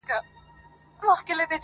سپورټ د همکارۍ احساس پیاوړی کوي